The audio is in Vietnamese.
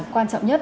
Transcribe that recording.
quan trọng nhất